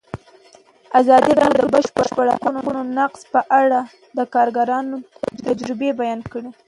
ازادي راډیو د د بشري حقونو نقض په اړه د کارګرانو تجربې بیان کړي.